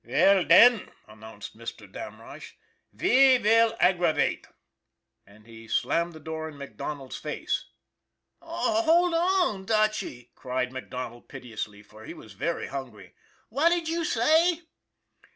:< Veil, den," announced Mr. Damrosch, " ve vill aggravate " and he slammed the door in Mac Donald's face. "Oh, hold on, Dutchy!" cried MacDonald pit eously, for he was very hungry. " What did you say?